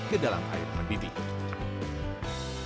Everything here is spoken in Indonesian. ke dalam air mendidih